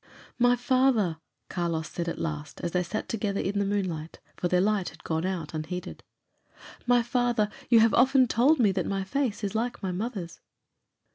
"My father," Carlos said at last, as they sat together in the moonlight, for their light had gone out unheeded "my father, you have often told me that my face is like my mother's."